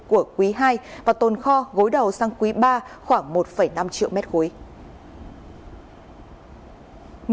của quý hai và tồn kho gối đầu sang quý ba khoảng một năm triệu m ba